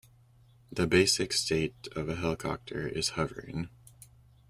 The basic state of a helicopter is hovering.